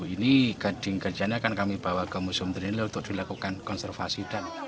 ini gading kerjanya akan kami bawa ke museum trinil untuk dilakukan konservasi